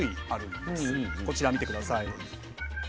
こちら見て下さい。